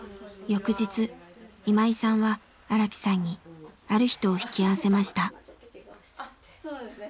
翌日今井さんは荒木さんにある人を引き合わせました。